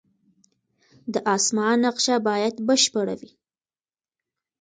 د اسمان نقشه باید بشپړه وي.